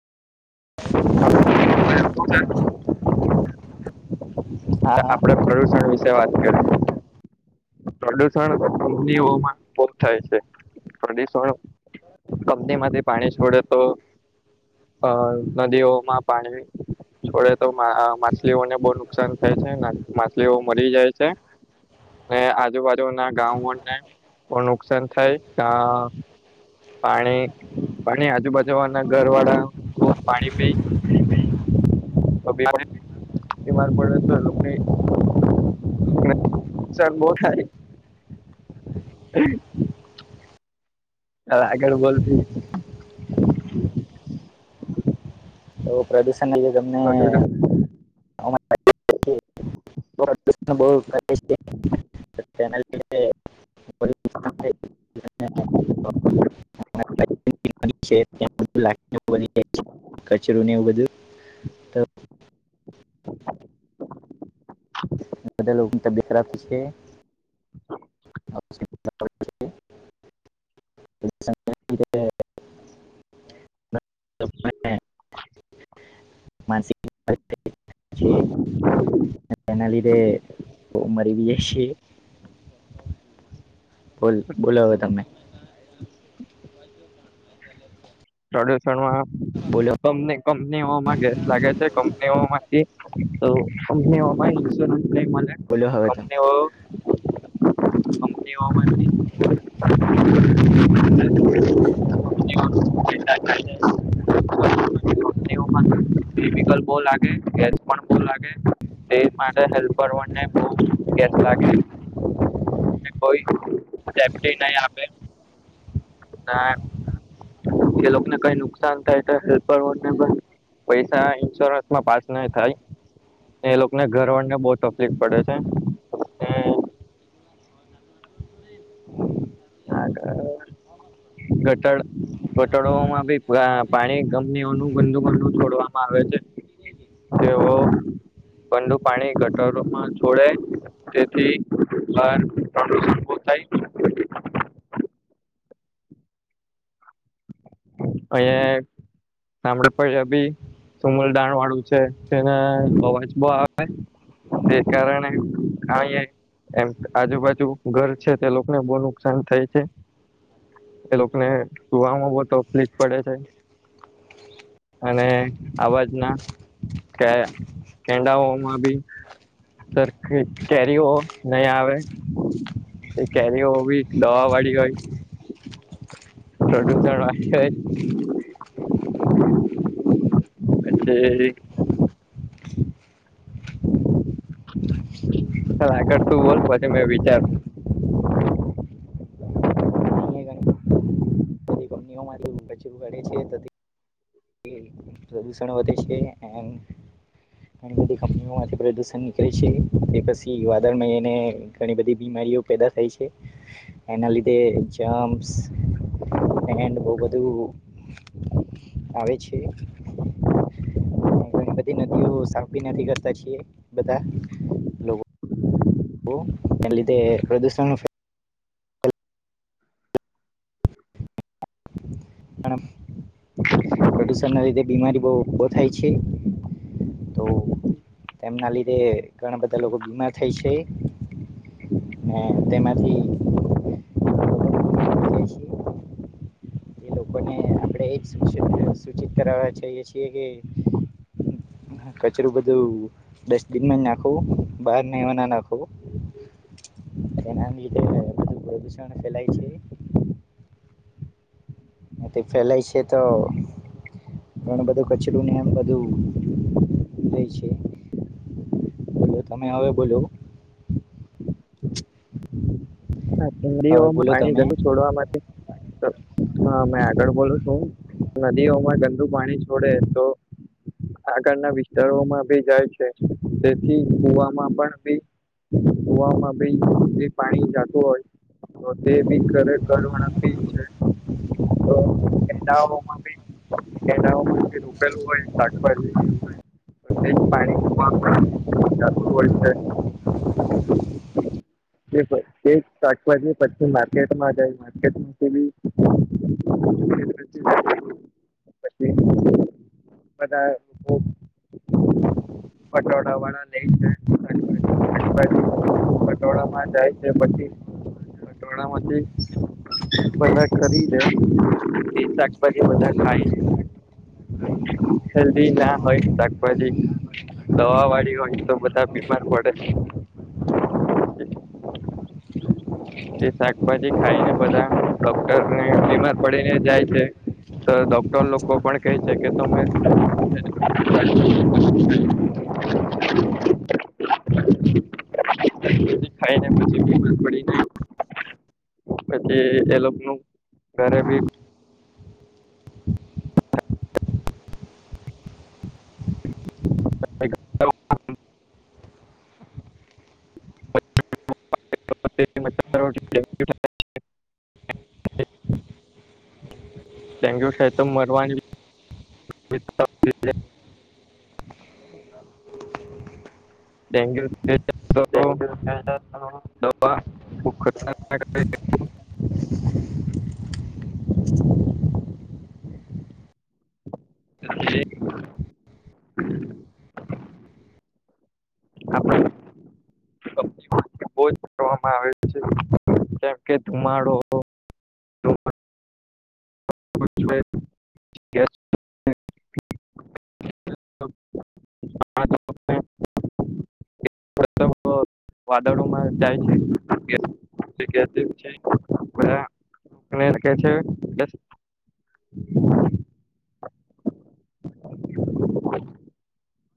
[inaudible] હા આપડે પ્રવ વિશે વાત કરી પ્રદુષણ હા થાય છે થડી કંપની માંથી પાણી છોડે તો અ નદીઓમાં પાણી છોડે તો માછલીઓને બહુ નુકસાન થાય છે માછલીઓ મરી જાય છે. અનેને આજુબાજુ ના ગામને બ નુકસાન થાય. પાણી પાણી આજુબાજુના ઘર વાળા પાણી પી [inaudible] બીમાર પડે તો એ લોકોને [inaudible] નુકસાન બહુ થાય. હ આ આગળ બોલતું. તો પ્રદૂષણ એ તમને [inaudible] [inaudible] [inaudible] કચરો ને એવું બધું તો બધા લોકોની [inaudible] [inaudible] [inaudible] [inaudible] તેના લીધે [unintelligible] બોલ બોલો હવે તમે. પ્રડ્યુણમાં બોલો કંપની તમે કંપનીઓમાં ગેસ લાગે છે એવું નથી, તો કંપની [inaudible] બોલો હવે તમે કંપનીઓ [inaudible] [inaudible] [inaudible] કંપનીઓમાં કેમિકલ બવ લાગે, ગેસ પણ બવ લાગે. તે માટે હેલ્પ કરવા ન [inaudible] બો ગેસ લાગે. ને કોઈ સેફ્ટી નહી આપે તા એ લોકોને કઈ નુકસાન થાય તો હેલ્પર [unintelligible] પણ પૈસા ઇન્સ્યોરન્સ માં પાસ ન થાય. એ લોકોને ઘર વળને બહુ તકલીફ પડે છે, [inaudible] ગતળ ઘટળોમાં ભી પાણી કંપનીઓનું બંદુ બંદું છોડવામાં આવે છે, તેઓ ગંદુ પાણી ગટરોમાં જોડે. તેથી થાય [inaudible] થાય. અહીંયે [unintelligible] સમલ ડાણ વાળું છે, તેને અવાજ બવ આવે. તે કારણે [unintelligible] એમ આજુબાજુ ઘર છે તે લોકોને બહુ નુકસાન થાય છે, એ લોકોને સુવામાં બવ તકલીફ પડે છે. અને અવાજ ના કે કેંડાઓમાં બી સર કેરી ઓ નહી આવે. એ કેરીઓ બી દવા વાળી હોય. પ્રદૂષણ [inaudible] [unintelligible] આગળ તું બોલ પછી મેં વિચાર. અહીંયા [unintelligible] પ્રદુષણ વધે છે એન [unintelligible] ઘણી બધી કંપનીઓમાંથી પ્રદૂષણ નીકળે છે, તે પછી વાદળમાંને ઘણી બધી બીમારીઓ પેદા થાય છે. એના લીધે જામ્સ એના લીધે બધું આવે છે. ઘણી બધી નદીઓ સાવી નથી કરતા છીએ બધા. લોકો [unintelligible] પણ પ્રદુષણ ના લીધે બીમારી બહ બ થાય છે, તો તેમના લીધે ઘણા બધા લોકો બીમાર થાય છે, હ તેમાંથી [unintelligible] બે ણઆપણે એજ સૂચિત કરવા છએ છીએ કે કચરું બધું ડસ્ટબિનમાં નાખો બહાર નહીવાના નાખો. એના લીધે બધું પ્રદુષણ ફેલાય છે, એથી ફેલાય છે તો. ઘણ બધું કચરોું ને એમ બધું લે છે, બોલો તમે હવે બોલો. [inaudible] હા ડીઓ હવે બોલો પાણી તમે ગલું છોડવા માટે. હા મેં આગળ બોલું છું નદીઓમાં ગંદુ પાણી છોડે તો આગળના વિસ્તારોમાં ભી જાય છે, તેથી કુ વામાં પણી કુવામાં ભ જે પાણી જા. હો તો તે બી ઘરે કરવા છે. તો કેડામાં ભી કેડામાં રોપેલું હોય શકભ [unintelligible] એક શાકભાજી પછી માર્કેટમાં જાય. [unintelligible] પછી બધા [unintelligible] પટોળા વાળા લઈ જાય [unintelligible] પટોળા માં જાય. તે પછી પટોણામાંથી [unintelligible] કરી દે એ શાકભાજી બધા ખાઈ દે હેલ્દી ના હોય શાકભાજી દવા વાળી હોય તો બધા બીમાર પડે. [inaudible] એ શાકભાજી ખાઈ ને બધા ડોક્ટરને બીમાર પડીને જાય છે. તો ડોક્ટર લોકો પણ કહે છે કે [inaudible] ખાઇ ને પછી બીમાર પડી જાય. પછી એ લોકો નુ ઘરે [unintelligible] [unintelligible] ડેન્ગ્યુ થાય તો મરવાની ડેન્ગ્યુ ડેન્ગ્યુ થાય ફેલાતો તો [unintelligible] અને આપણે આવે છે કેમ કે ધુમાડો [inaudible] ગેસ વાદળોમાં જાય છે [unintelligible] અને કે છે કે